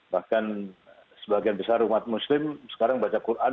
bahkan sebagian besar umat muslim sekarang baca quran